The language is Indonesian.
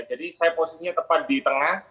jadi saya posisinya tepat di tengah